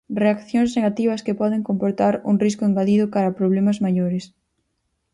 Reaccións negativas que poden comportar un risco engadido cara a problemas maiores.